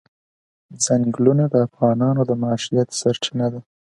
ځنګلونه د افغانانو د معیشت سرچینه ده.